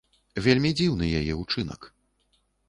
Вельмі дзіўны яе ўчынак.